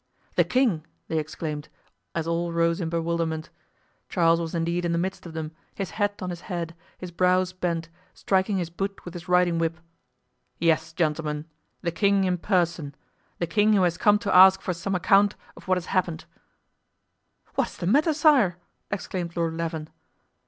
"The king!" they exclaimed, as all rose in bewilderment. Charles was indeed in the midst of them, his hat on his head, his brows bent, striking his boot with his riding whip. "Yes, gentlemen, the king in person, the king who has come to ask for some account of what has happened." "What is the matter, sire?" exclaimed Lord Leven.